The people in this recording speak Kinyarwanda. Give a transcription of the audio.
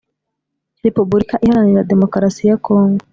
repuburika Iharanira Demokarasi ya Kongo